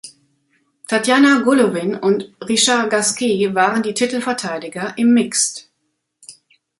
Tatiana Golovin und Richard Gasquet waren die Titelverteidiger im Mixed.